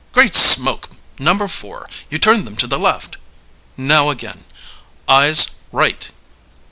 Great smoke! number four, you turned them to the left! Now again: Eyes right!